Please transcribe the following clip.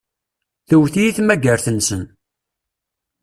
Tewwet-iyi tmagart-nsen.